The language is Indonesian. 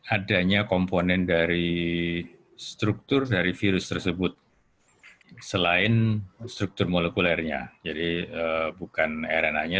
adanya komponen dari struktur dari virus tersebut selain struktur molekulernya jadi bukan rna nya